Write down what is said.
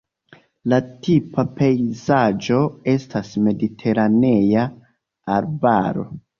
La tipa pejzaĝo estas mediteranea arbaro.